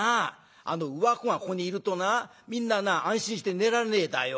あのウワ公がここにいるとなみんなな安心して寝られねえだよ。